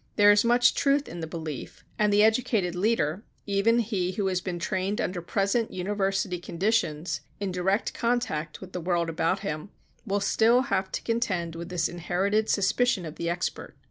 There is much truth in the belief; and the educated leader, even he who has been trained under present university conditions, in direct contact with the world about him, will still have to contend with this inherited suspicion of the expert.